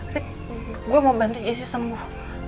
rick gue mau bantu jessy sembuh